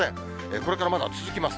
これからまだ続きます。